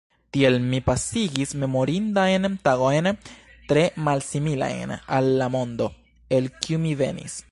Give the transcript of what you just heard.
Tiel mi pasigis memorindajn tagojn tre malsimilajn al la mondo, el kiu mi venis.